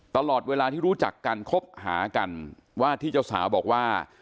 ตลอดเวลาที่รู้จักกันคบหากันว่าที่เจ้าสาวบอกว่า